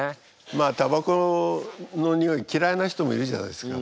まあたばこのにおいきらいな人もいるじゃないですか。